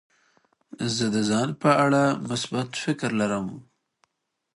زه د ځان په اړه مثبت فکر لرم.